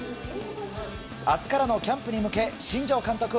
明日からのキャンプに向け新庄監督は。